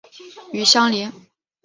与相邻。